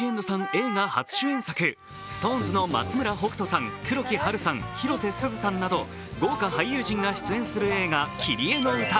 映画初主演作ＳｉｘＴＯＮＥＳの松村北斗さん、黒木華さん、広瀬すずさんなど豪華俳優陣が出演する映画「キリエのうた」。